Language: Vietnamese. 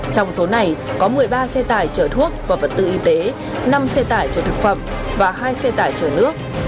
trong số này có một mươi ba xe tải chở thuốc và vật tư y tế năm xe tải chở thực phẩm và hai xe tải chở nước